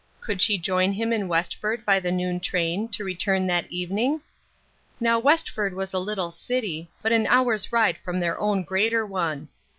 Could she join him in Westford by the noon train, to return that even ing ? Now Westford was a little city, but an hour's ride from their own greater one.